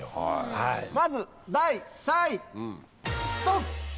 まず第３位ドン！